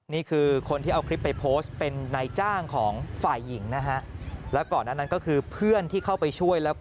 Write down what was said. นี่คือคนที่เอาคลิปไปโพสต์เป็นนายจ้างของฝ่ายหญิงนะฮะ